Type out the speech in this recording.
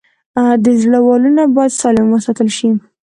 د زړه والونه باید سالم وساتل شي.